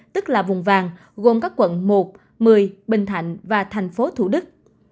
tức là vùng vàng gồm các quận một một mươi bình thạnh và tp thủ đức